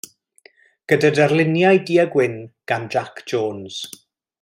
Gyda darluniau du a gwyn gan Jac Jones.